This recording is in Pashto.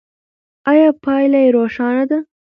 ایا پایله روښانه ده؟